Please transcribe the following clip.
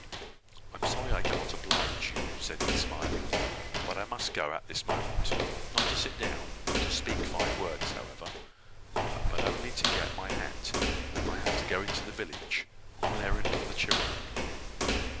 "I am sorry I cannot oblige you," said he, smiling, "but I must go at this moment: not to sit down, not to speak five words, however, but only to get my hat. I have to go into the village, on an errand for the children.